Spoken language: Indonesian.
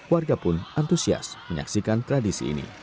warga pun antusias menyaksikan tradisi ini